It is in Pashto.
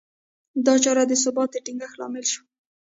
دا چاره د ثبات د ټینګښت لامل شوه.